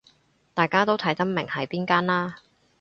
大家都睇得明係邊間啦